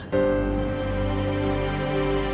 tidak ada suara orang nangis